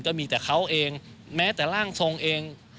ก็มีแต่เขาเองแม้แต่ร่างทรงเอง